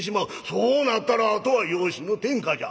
そうなったらあとは養子の天下じゃ。